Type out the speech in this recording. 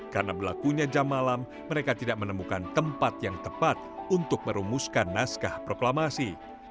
karena berlakunya jam malam mereka tidak menemukan tempat yang tepat untuk merumuskan naskah proklamasi